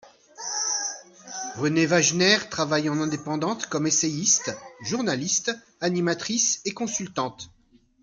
Renée Wagener travaille en indépendante comme essayiste, journaliste, animatrice et consultante.